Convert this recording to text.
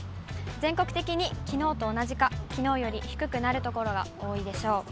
全国的にきのうと同じか、きのうより低くなる所が多いでしょう。